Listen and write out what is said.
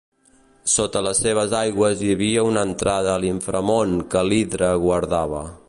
Sota les seves aigües hi havia una entrada a l'inframón que l'Hidra guardava.